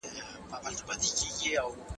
خلکو به د جرګي پرېکړو ته په درنه سترګه کتل.